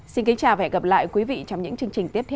xin kính chào và hẹn gặp lại quý vị trong những chương trình tiếp theo